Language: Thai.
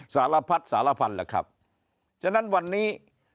สารพัดสารพันธุ์แหละครับฉะนั้นวันนี้